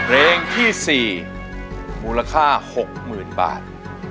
เพลงที่๔มูลค่า๖๐๐๐บาท